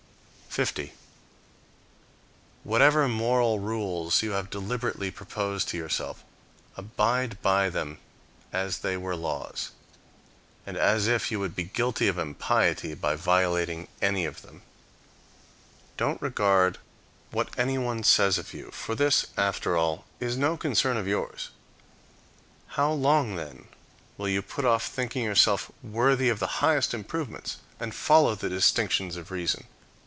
50. Whatever moral rules you have deliberately proposed to yourself. abide by them as they were laws, and as if you would be guilty of impiety by violating any of them. Don't regard what anyone says of you, for this, after all, is no concern of yours. How long, then, will you put off thinking yourself worthy of the highest improvements and follow the distinctions of reason?